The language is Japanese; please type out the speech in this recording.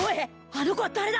あの子は誰だ！？